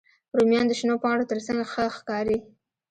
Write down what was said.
رومیان د شنو پاڼو تر څنګ ښه ښکاري